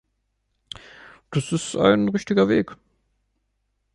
Das ist ein richtiger Weg.